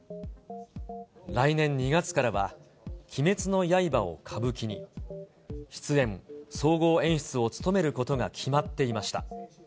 来年２月からは、鬼滅の刃を歌舞伎に、出演・総合演出を務めることが決まっていました。